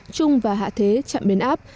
trung và hạ thế trạm biến áp